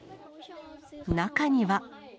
中には。